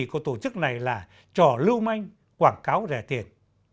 của tổ chức này là trò lưu manh quảng cáo rẻ tiền